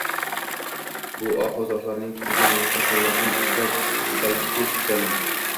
bu ohu zorlarning, to’kilgan ma’sum qonlarning ichida bil fe’l suzaman.